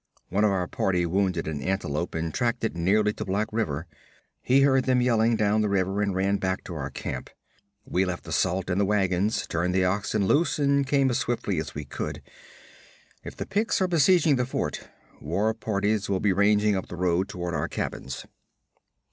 'One of our party wounded an antelope and tracked it nearly to Black River. He heard them yelling down the river and ran back to our camp. We left the salt and the wagons, turned the oxen loose and came as swiftly as we could. If the Picts are besieging the fort, war parties will be ranging up the road toward our cabins.'